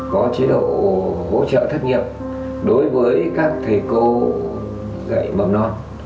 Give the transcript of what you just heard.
có chế độ hỗ trợ thất nghiệp đối với các thầy cô dạy mầm non